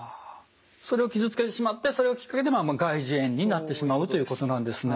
それを傷つけてしまってそれがきっかけで外耳炎になってしまうということなんですね。